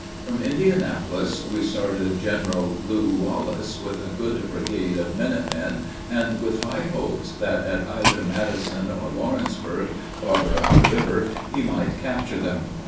From Indianapolis we started General Lew Wallace with a good brigade of minute men, and with high hopes that at either Madison or Lawrenceburg, farther up the river, he might "capture them."